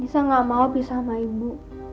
saya gak mau pisah sama ibu